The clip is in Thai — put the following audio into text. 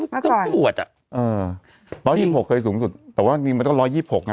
เมื่อก่อนต้องตรวจอ่ะเออร้อยสิบหกเคยสูงสุดแต่ว่านี่มันก็ร้อยสิบหกอ่ะ